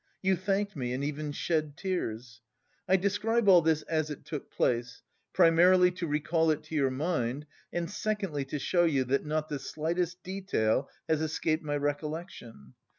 You thanked me and even shed tears. I describe all this as it took place, primarily to recall it to your mind and secondly to show you that not the slightest detail has escaped my recollection.